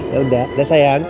ya udah dah sayang